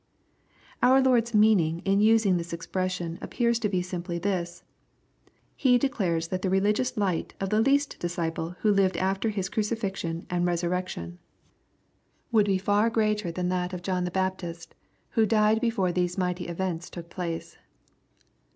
Our Lord's meaning in using this expression appears to be simply this. He declares that the religious light of the least disciple who lived after His crucifixion and re LUKE, CHAP. VII. 223 ffuirectioD, M^oold be far greater than that of John Bap tist, who died before those mighty events took place.